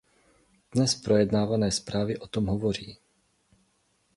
Dnes projednávané zprávy o tom hovoří.